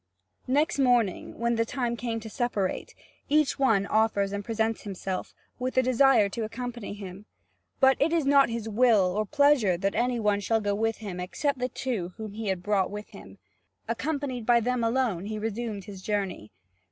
Next morning, when the time came to separate, each one offers and presents himself, with the desire to accompany him; but it is not his will or pleasure that any one shall go with him except the two whom he had brought with him. Accompanied by them alone, he resumed his journey.